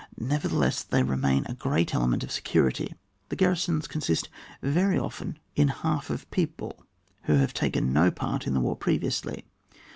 Nevertheless, they re main a g^at element of security. The g^arrlsons consist very often in half of people, who have taken no part in the war previously.